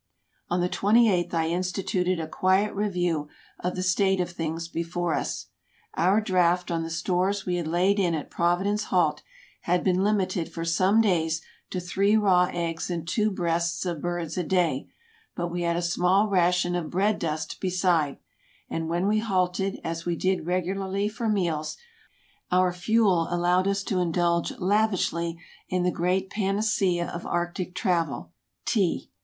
On the twenty eighth I instituted a quiet review of the state of things before us. Our draft on the stores we had laid in at Providence Halt had been limited for some days to three raw eggs and two breasts of birds a day, but we had a small ration of bread dust beside; and when we halted, as we did regularly for meals, our fuel allowed us to indulge lavishly in the great panacea of Arctic travel, tea.